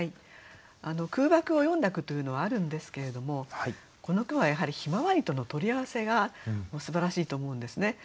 空爆を詠んだ句というのはあるんですけれどもこの句はやはり向日葵との取り合わせがすばらしいと思うんですね。